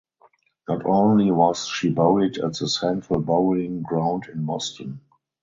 Not only was she buried at the Central Burying Ground in Boston.